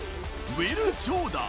ウィル・ジョーダン！